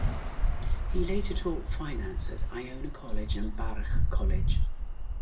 He later taught finance at Iona College and Baruch College.